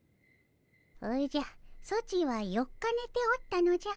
おじゃソチは４日ねておったのじゃ。